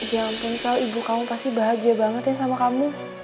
ya ampun soal ibu kamu pasti bahagia banget ya sama kamu